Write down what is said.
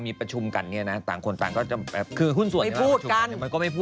ไม่ใช่งั้นคนนั้นอัน